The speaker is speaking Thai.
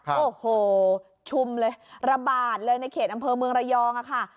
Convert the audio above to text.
โอ้โหชุมเลยระบาดเลยในเขตอำเภอเมืองระยองค่ะ